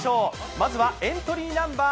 まずはエントリーナンバー